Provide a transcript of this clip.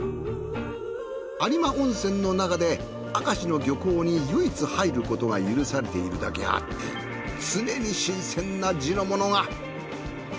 有馬温泉のなかで明石の漁港に唯一入ることが許されているだけあって常に新鮮な地のものが。